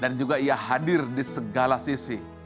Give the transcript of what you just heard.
dan juga ia hadir di segala sisi